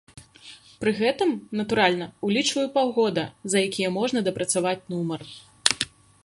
Пры гэтым, натуральна, улічваю паўгода, за якія можна дапрацаваць нумар.